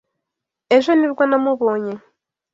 Ejo nibwo namubonye.